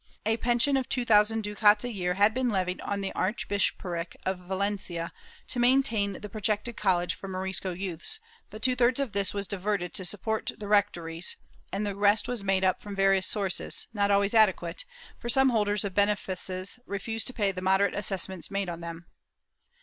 A pension of two thousand ducats a year had been levied on the archbishopric of Valencia, to maintain the projected college for Morisco youths, but two thirds of this was diverted to the support of the rectories and the rest was made up from various sources, not always adequate, for some holders of benefices refused to pay the moderate assessments made on them.'